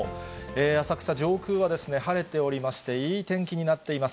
浅草上空は晴れておりまして、いい天気になっています。